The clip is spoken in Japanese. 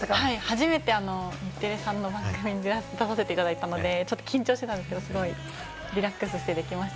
初めて日テレさんの番組に出させていただいたので緊張していましたが、リラックスしてできました。